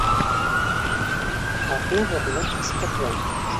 — Артына боролоп ҡысҡырҙы